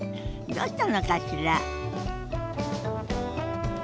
どうしたのかしら？